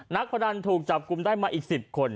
พนันถูกจับกลุ่มได้มาอีก๑๐คน